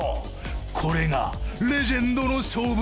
これがレジェンドの勝負強さ。